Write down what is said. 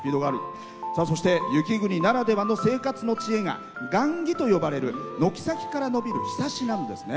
そして、雪国ならではの生活の知恵が雁木といわれる軒先から伸びるひさしなんですね。